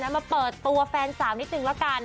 มาเปิดตัวแฟนสาวนิดนึงละกัน